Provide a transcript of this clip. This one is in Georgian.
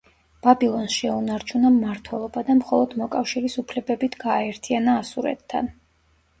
ბაბილონს შეუნარჩუნა მმართველობა და მხოლოდ მოკავშირის უფლებებით გააერთიანა ასურეთთან.